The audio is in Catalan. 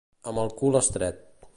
Amb el cul estret.